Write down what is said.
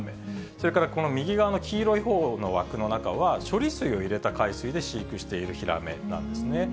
それからこの右側の黄色いほうの枠の中は、処理水を入れた海水で飼育しているヒラメなんですね。